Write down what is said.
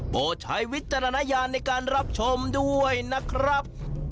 ใช้วิจารณญาณในการรับชมด้วยนะครับ